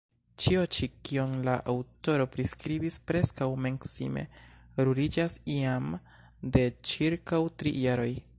Ĉio ĉi, kion la aŭtoro priskribis, preskaŭ sencime ruliĝas jam de ĉirkaŭ tri jaroj.